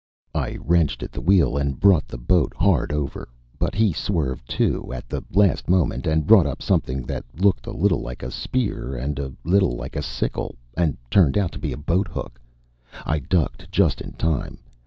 I wrenched at the wheel and brought the boat hard over; but he swerved too, at the last moment, and brought up something that looked a little like a spear and a little like a sickle and turned out to be a boathook. I ducked, just in time.